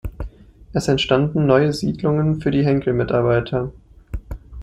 Es entstanden neue Siedlungen für die Henkel-Mitarbeiter.